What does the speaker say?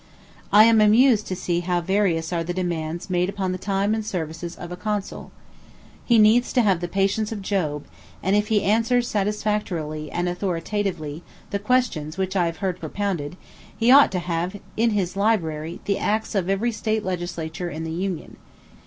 I am amused to see how various are the demands made upon the time and services of a consul. He needs to have the patience of Job; and if he answers satisfactorily and authoritatively the questions which I have heard propounded, he ought to have in his library the acts of every state legislature in the Union.